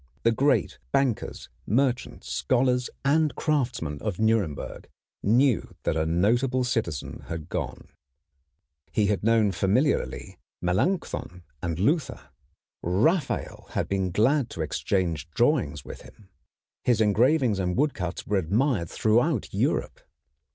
The great bankers, merchants, scholars, and craftsmen of Nuremberg knew that a notable citizen had gone. He had known familiarly Melanchthon and Luther. Raphael had been glad to exchange drawings with him. His engravings and woodcuts were admired throughout Europe.